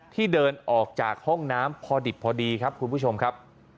ที่เดินออกจากห้องน้ำพอดิบพอดีครับคุณผู้ชมครับ